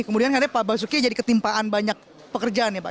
kemudian katanya pak basuki jadi ketimpaan banyak pekerjaan ya pak